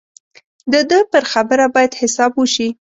د ده پر خبره باید حساب وشي.